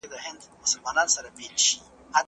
که سپک خواړه ښه بستهبندي نه وي، ماتېږي.